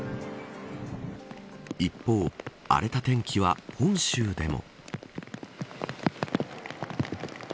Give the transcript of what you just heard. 一方、荒れた天気は本州でも。